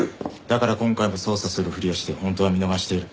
だから今回も捜査するふりをして本当は見逃している。